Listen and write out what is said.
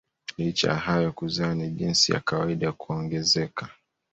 Licha ya hayo kuzaa ni jinsi ya kawaida ya kuongezeka.